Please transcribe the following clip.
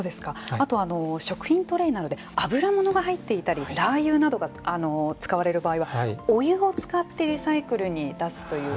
あと食品トレイなので油物が入っていたりラー油などが使われる場合はお湯を使ってリサイクルに出すという。